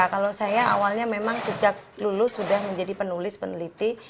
kalau saya awalnya memang sejak lulus sudah menjadi penulis peneliti